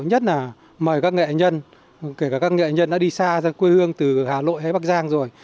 nhất là mời các nghệ nhân kể cả các nghệ nhân đã đi xa ra quê hương từ hà nội hay bắc giang rồi